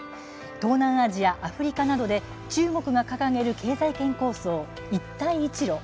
東南アジアアフリカなど、中国が掲げる経済圏構想、一帯一路。